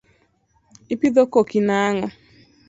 Ipidho koki nang’o?